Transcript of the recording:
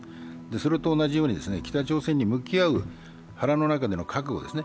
それと同じように北朝鮮と向き合う、腹の中での覚悟ですね。